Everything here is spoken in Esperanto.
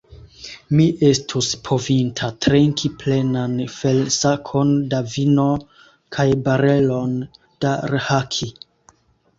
Mi estus povinta trinki plenan felsakon da vino kaj barelon da rhaki.